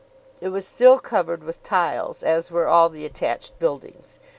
It was still covered with tiles, as were all the attached buildings.